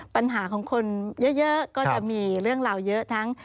ปัญหาของคนเยอะก็จะมีเรื่องราวเยอะทั้ง